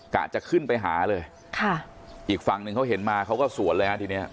จะขึ้นไปหาเลยค่ะอีกฝั่งหนึ่งเขาเห็นมาเขาก็สวนเลยฮะทีเนี้ย